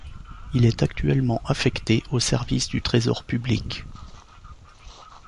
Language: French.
Il est actuellement affecté aux services du Trésor Public.